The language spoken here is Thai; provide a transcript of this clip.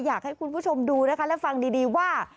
อยากให้คุณผู้ชมดูนะคะและฟังดีว่า